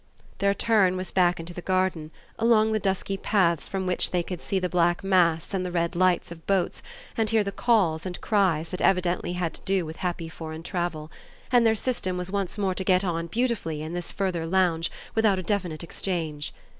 Their turn was back into the garden, along the dusky paths from which they could see the black masts and the red lights of boats and hear the calls and cries that evidently had to do with happy foreign travel; and their system was once more to get on beautifully in this further lounge without a definite exchange.